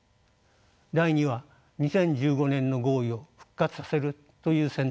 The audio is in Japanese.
第２は２０１５年の合意を復活させるという選択肢です。